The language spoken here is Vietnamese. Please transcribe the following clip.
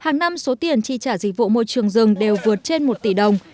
hàng năm số tiền chi trả dịch vụ môi trường rừng đều vượt trên một tỷ đồng